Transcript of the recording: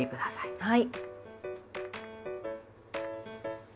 はい。